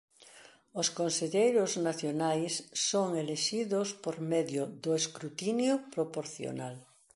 Os conselleiros nacionais son elixidos por medio do escrutinio proporcional.